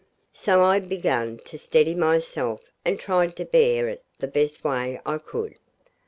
So I began to steady myself and tried to bear it the best way I could.